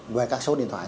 về các số điện thoại